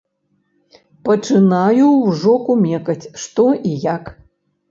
Пачынаю ўжо кумекаць, што і як.